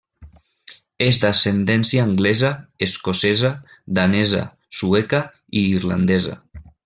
És d'ascendència anglesa, escocesa, danesa, sueca i irlandesa.